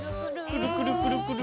くるくるくるくる！